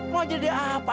mau jadi apa